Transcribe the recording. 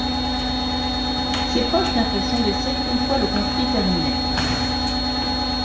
Ses proches n'apprirent son décès qu'une fois le conflit terminé.